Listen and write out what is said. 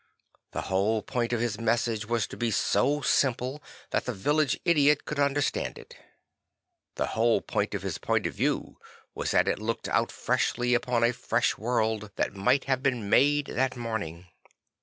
The whole point of his message was to be so simple that the village idiot could understand it. The whole point of his point of view was that it looked out freshly upon a fresh world, that might have been made that morning.